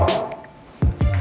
asli yang psikotrop